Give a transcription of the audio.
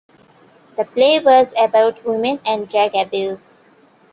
The play was about women and drug abuse.